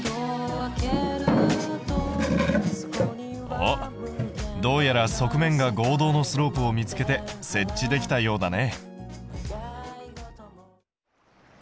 おっどうやら側面が合同のスロープを見つけて設置できたようだね。